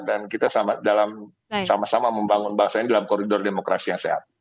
dan kita sama sama membangun bahasanya dalam koridor demokrasi yang sehat